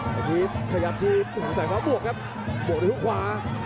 แสฟ้าบวกครับกลับผมครา